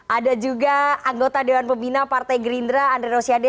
ada juga anggota dewan pembina partai gerindra andre rosiade